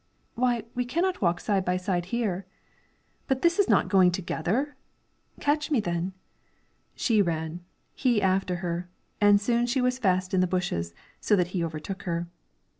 "Why, we cannot walk side by side here." "But this is not going together?" "Catch me, then!" She ran; he after her; and soon she was fast in the bushes, so that he overtook her.